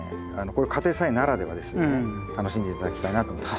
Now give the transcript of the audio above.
これ家庭菜園ならではですよね楽しんで頂きたいなと思います。